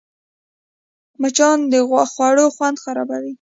مچان د خوړو خوند خرابوي